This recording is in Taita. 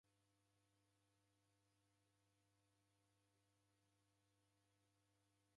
Mdamu ni sa mruke, matuku ghake ni matini.